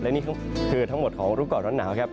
และนี่คือทั้งหมดของรู้ก่อนร้อนหนาวครับ